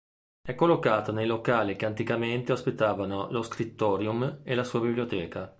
È collocato nei locali che anticamente ospitavano lo "scriptorium" e la sua biblioteca.